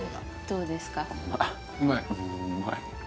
うまい？